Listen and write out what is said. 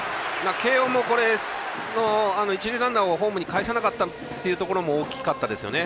慶応も一塁ランナーをホームにかえさなかったところは大きかったですね